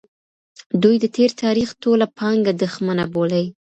دوی د تېر تاریخ ټوله پانګه دښمنه بولي.